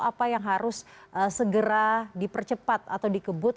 apa yang harus segera dipercepat atau dikebut